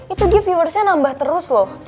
itu dia viewersnya nambah terus loh